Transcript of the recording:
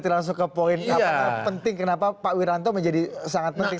ini kita langsung to the point berarti langsung ke point apakah penting kenapa pak wiranto menjadi sangat penting